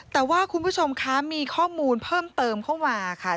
แต่ว่าคุณผู้ชมคะมีข้อมูลเพิ่มเติมเข้ามาค่ะ